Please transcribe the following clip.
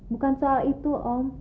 bukan soal itu om